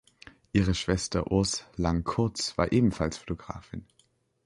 Ihre Schwester Urs Lang-Kurz war ebenfalls Fotografin.